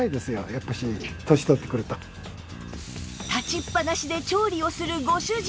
立ちっぱなしで調理をするご主人